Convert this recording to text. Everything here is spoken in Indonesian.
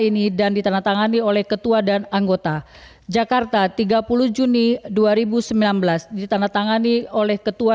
ini dan ditandatangani oleh ketua dan anggota jakarta tiga puluh juni dua ribu sembilan belas ditandatangani oleh ketua